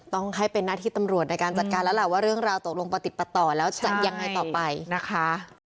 ต้องให้เป็นหน้าที่ตำรวจในการจัดการแล้วล่ะว่าเรื่องราวตกลงประติดประต่อแล้วจะยังไงต่อไปนะคะ